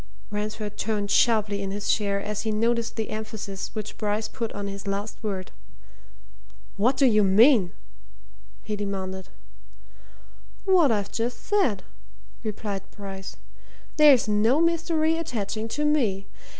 Ransford turned sharply in his chair as he noticed the emphasis which Bryce put on his last word. "What do you mean?" he demanded. "What I've just said," replied Bryce. "There's no mystery attaching to me.